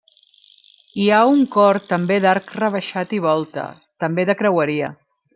Hi ha un cor també d'arc rebaixat i volta, també de creueria.